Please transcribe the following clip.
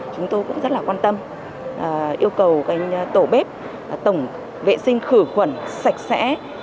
chúng tôi cũng rất là quan tâm yêu cầu tổ bếp tổng vệ sinh khử khuẩn sạch sẽ